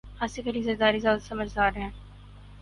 آصف علی زرداری زیادہ سمجھدار ہیں۔